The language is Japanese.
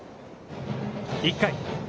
１回。